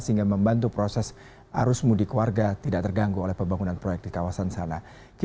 sehingga membantu proses arus mudik warga tidak terganggu oleh pembangunan proyek di kawasan sana